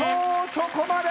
そこまで！